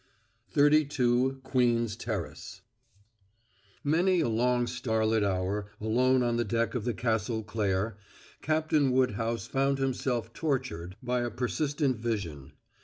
CHAPTER IV 32 QUEEN'S TERRACE Many a long starlit hour alone on the deck of the Castle Claire Captain Woodhouse found himself tortured by a persistent vision.